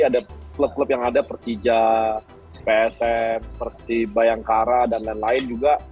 ada klub klub yang ada persija psm persib bayangkara dan lain lain juga